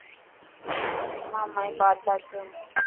امان مائي بات بات سڻ.